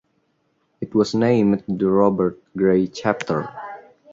It was named the Robert Gray Chapter.